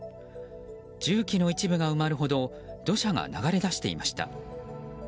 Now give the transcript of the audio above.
重機の一部が埋まるほど土砂が流れ出していました。